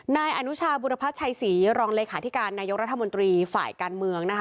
นายอนุชาบุรพัชชัยศรีรองเลขาธิการนายกรัฐมนตรีฝ่ายการเมืองนะคะ